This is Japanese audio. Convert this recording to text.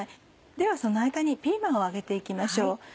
ではその間にピーマンを揚げて行きましょう。